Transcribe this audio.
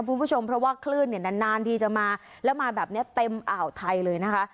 คุณผู้ชมเพราะว่าคลื่นเนี่ยนานนานทีจะมาแล้วมาแบบนี้เต็มอ่าวไทยเลยนะคะ